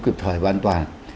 cụp thời an toàn